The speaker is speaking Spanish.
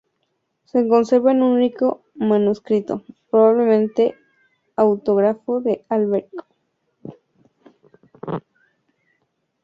Se conserva en un único manuscrito, probablemente autógrafo de Alberico.